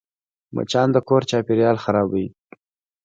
مچان د کور چاپېریال خرابوي